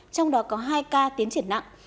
trong đó có hai ca tiến triển nặng